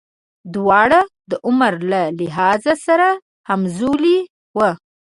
دواړه د عمر له لحاظه سره همزولي وو.